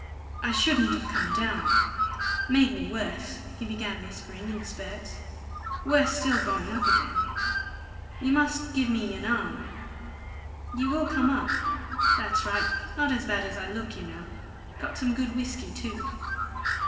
"I shouldn't have come down made me worse," he began whispering in spurts. "Worse still going up again. You must give me an arm. You will come up? That's right! Not as bad as I look, you know. Got some good whiskey, too.